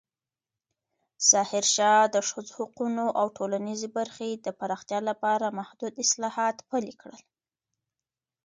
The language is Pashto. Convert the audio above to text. ظاهرشاه د ښځو حقونو او ټولنیزې برخې د پراختیا لپاره محدود اصلاحات پلې کړل.